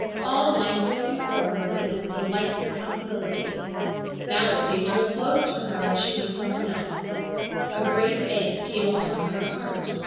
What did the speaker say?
All life was before her with its delightful possibilities. Now it seemed to have closed for her and she was some one else. A great ache came upon her heart.